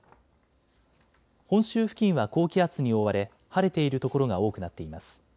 本州付近は高気圧に覆われ晴れている所が多くなっています。